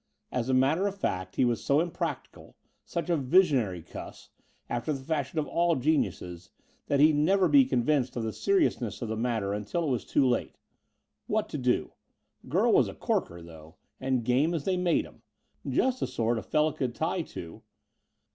As a matter of fact, he was so impractical such a visionary cuss, after the fashion of all geniuses that he'd never be convinced of the seriousness of the matter until it was too late. What to do? The girl was a corker, though, and game as they made 'em. Just the sort a fellow could tie to....